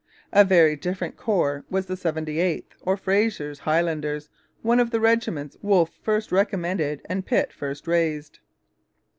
A very different corps was the 78th, or 'Fraser's,' Highlanders, one of the regiments Wolfe first recommended and Pitt first raised.